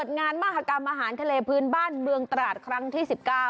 งานมหากรรมอาหารทะเลพื้นบ้านเมืองตราดครั้งที่๑๙